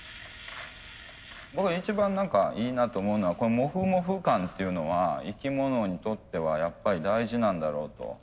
僕一番いいなと思うのはモフモフ感っていうのは生き物にとってはやっぱり大事なんだろうと。